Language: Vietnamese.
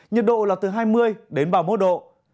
nhiệt độ là từ hai mươi đến ba mươi một độ